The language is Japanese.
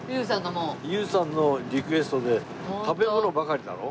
優さんのリクエストで食べ物ばかりだろ？